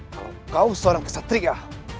kalau kau seorang kesatria